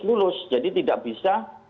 lulus jadi tidak bisa